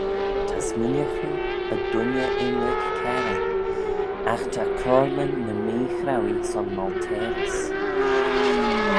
Ta smooinaghtyn y dooinney ynrick cairal: agh ta coyrleyn ny mee-chrauee son molteyrys.